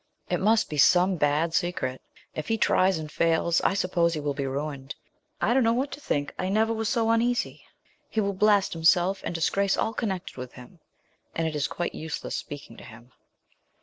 It must be some bad secret. If he tries and fails, I suppose he will be ruined. I don't know what to think; I never was so uneasy. He will blast himself, and disgrace all connected with him; and it is quite useless speaking to him.'